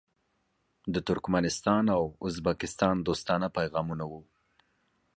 د ترکمنستان او ازبکستان دوستانه پیغامونه وو.